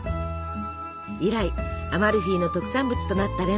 以来アマルフィの特産物となったレモン。